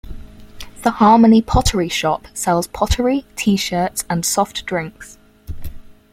The Harmony Pottery Shop sells pottery, T-shirts, and soft drinks.